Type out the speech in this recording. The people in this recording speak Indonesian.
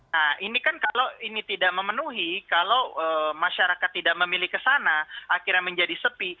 nah ini kan kalau ini tidak memenuhi kalau masyarakat tidak memilih kesana akhirnya menjadi sepi